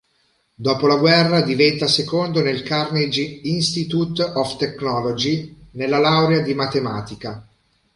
Dopo la guerra, diventa secondo nel Carnegie Institute of Technology nella laurea di Matematica.